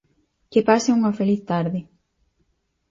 Que pasen unha feliz tarde.